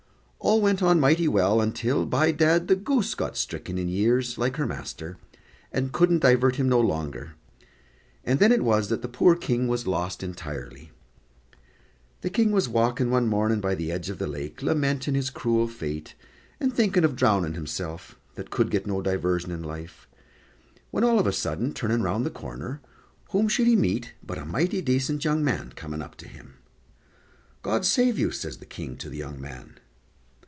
All went on mighty well until, by dad, the goose got stricken in years like her master, and couldn't divert him no longer, and then it was that the poor King was lost entirely. The King was walkin' one mornin' by the edge of the lake, lamentin' his cruel fate, and thinking of drowning himself, that could get no diversion in life, when all of a sudden, turning round the corner, whom should he meet but a mighty decent young man coming up to him. "God save you," says the King to the young man.